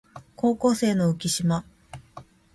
高校生の浮島